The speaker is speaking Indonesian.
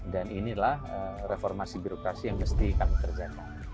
dan inilah reformasi birokrasi yang mesti kami kerjakan